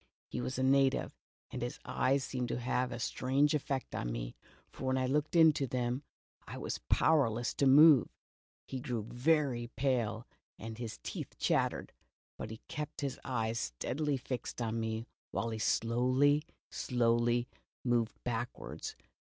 He was a native, and his eyes seemed to have a strange effect on me, for when I looked into them, I was powerless to move. He grew very pale, and his teeth chattered, but he kept his eyes steadily fixed on me, while he slowly, slowly moved back wards.